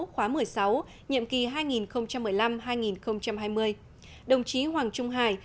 khóa một mươi sáu nhiệm kỳ hai nghìn một mươi năm hai nghìn hai mươi đồng chí hoàng trung hải